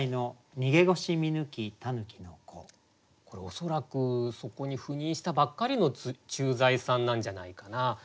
恐らくそこに赴任したばっかりの駐在さんなんじゃないかな。